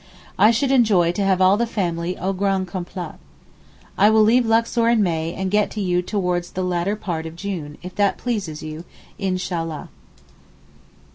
I should enjoy to have all the family au grand complet. I will leave Luxor in May and get to you towards the latter part of June, if that pleases you, Inshallah!